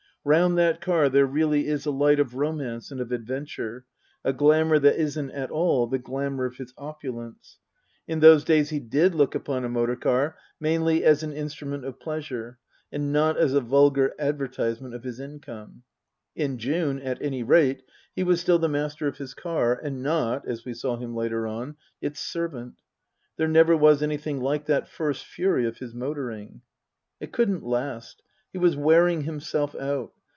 Round that car there really is a light of romance and of adventure, a glamour that isn't at all the glamour of his opulence. In those days he did look upon a motor car mainly as an instrument of pleasure, and not as a vulgar advertisement of his income. In June, at any rate, he was still the master of his car and not as we saw him later on its servant. There never was anything like that first fury of his motoring. It couldn't last. He was wearing himself out.